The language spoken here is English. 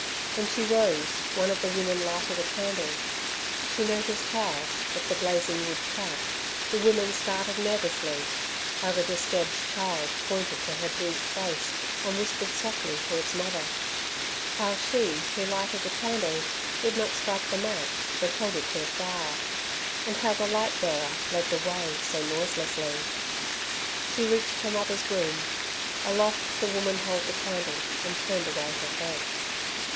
When she rose one of the women lighted a candle. She noticed how, if the blazing wood cracked, the women started nervously, how the disturbed child pointed to her bruised face, and whispered softly to its mother, how she who lighted the candle did not strike the match but held it to the fire, and how the light bearer led the way so noiselessly. She reached her mother's room. Aloft the woman held the candle and turned away her head.